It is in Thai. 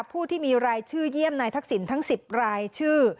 ผู้ที่มีรายชื่อเยี่ยมนายทักษิณทั้ง๑๐รายชื่อ